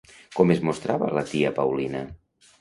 Com es mostrava la tia Paulina?